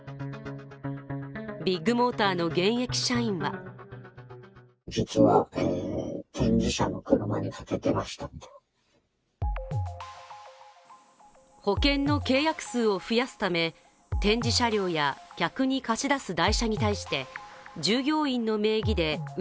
ビッグモーターの現役社員は保険の契約数を増やすため展示車両や客に貸し出す代車について、従業員の名義でう